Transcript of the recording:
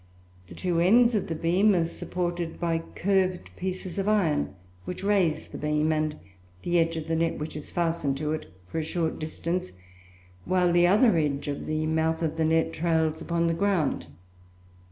The two ends of the beam are supported by curved pieces of iron, which raise the beam and the edge of the net which is fastened to it, for a short distance, while the other edge of the mouth of the net trails upon the ground.